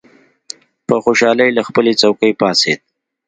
په خوشالۍ له خپلې څوکۍ پاڅېد.